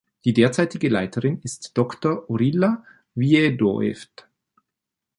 Die derzeitige Leiterin ist Dr. Oryla Wiedoeft.